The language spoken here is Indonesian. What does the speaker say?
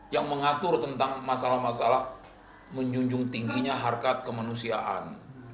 yang mengatur tentang masalah masalah menjunjung tingginya harkat kemanusiaan